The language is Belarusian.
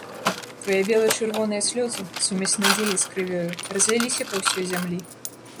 Твае бела-чырвоныя слёзы — сумясь надзеі з крывёю — разліліся па ўсёй зямлі!